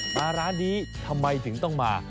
ร้านนี้ทำไมถึงต้องมา